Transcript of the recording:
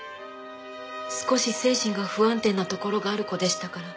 少し精神が不安定なところがある子でしたから。